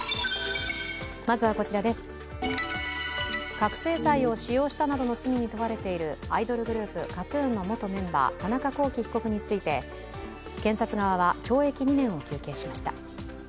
覚醒剤を使用したなどの罪に問われているアイドルグループＫＡＴ−ＴＵＮの元メンバー、田中聖被告について検察側は懲役２年を求刑しました。